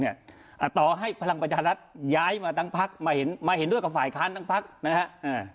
๓๖๖เนี่ยต่อให้พลังประชารัฐย้ายมาตั้งพลักษณ์มาเห็นด้วยกับฝ่ายค้านตั้งพลักษณ์นะครับ